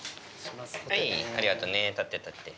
ありがとね、立って、立って。